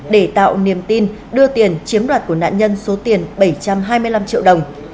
để tạo niềm tin đưa tiền chiếm đoạt của nạn nhân số tiền bảy trăm hai mươi năm triệu đồng